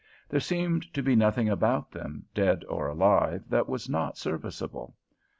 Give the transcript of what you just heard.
There seemed to be nothing about them, dead or alive, that was not serviceable.